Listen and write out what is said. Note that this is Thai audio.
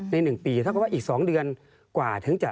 ในหนึ่งปีถ้าเขาว่าอีกสองเดือนกว่า